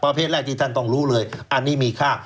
ประเภทแรกที่ท่านต้องรู้เลยอันนี้มีค่า